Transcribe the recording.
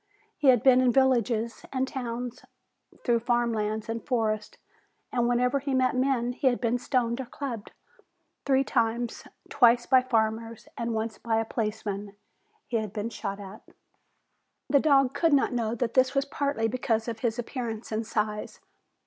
He had been in villages and towns, through farm lands and forest, and wherever he met men he had been stoned or clubbed. Three times twice by farmers and once by a policeman he had been shot at. The dog could not know that this was partly because of his appearance and size.